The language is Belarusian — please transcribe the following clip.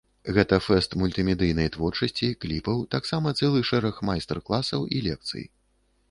Гэта фэст мультымедыйнай творчасці, кліпаў, таксама цэлы шэраг майстар-класаў і лекцый.